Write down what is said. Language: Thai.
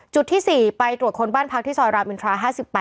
ที่๔ไปตรวจคนบ้านพักที่ซอยรามอินทรา๕๘